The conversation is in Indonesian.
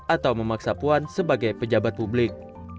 atau memaksa puan sebagai pejabat publik